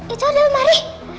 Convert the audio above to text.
itu ada mari